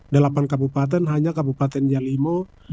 delapan kabupaten hanya kabupaten yang limau